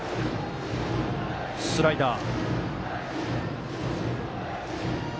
スライダー。